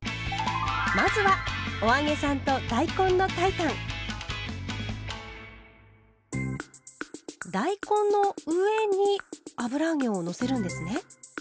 まずは大根の上に油揚げをのせるんですね。